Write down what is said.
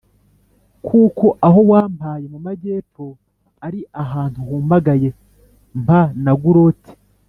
kuko aho wampaye mu majyepfo ari ahantu humagaye; mpa na Guloti-